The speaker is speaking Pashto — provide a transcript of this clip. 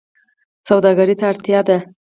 سوداګرۍ ته اړتیا ده